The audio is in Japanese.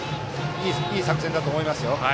いい作戦だと思いますよ。